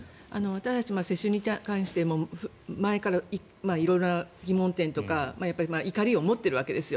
私たち世襲に関して前から色々な疑問点とか怒りを持っているわけです。